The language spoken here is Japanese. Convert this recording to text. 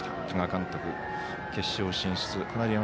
多賀監督決勝進出。